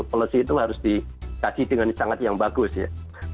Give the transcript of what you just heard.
policy itu harus dikasih dengan sangat yang bagus ya